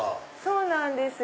そうなんですよ。